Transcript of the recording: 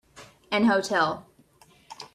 An hotel